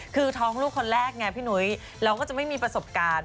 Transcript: คือท้องลูกคนแรกไงพี่หนุ้ยเราก็จะไม่มีประสบการณ์